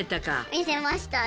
見せましたね。